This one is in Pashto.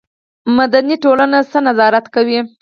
مدني ټولنه څه نظارت کوي؟